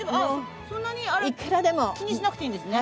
そんなに気にしなくていいんですね。